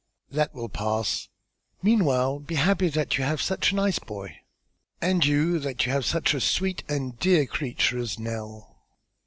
"That will pass. Meanwhile, be happy that you have such a boy." "And you that you have such a sweet and dear creature as Nell."